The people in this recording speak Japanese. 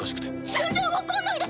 全然分かんないです！